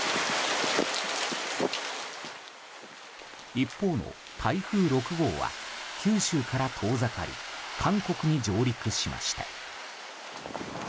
一方の台風６号は九州から遠ざかり韓国に上陸しました。